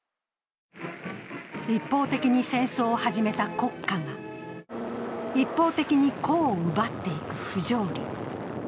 一方的に戦争を始めた国家が一方的に個を奪っていく不条理。